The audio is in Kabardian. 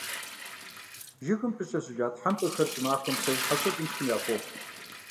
Жыгым пыщэщыжа тхьэмпэхэр щӀымахуэм псэущхьэ куэдым шхын яхуохъу.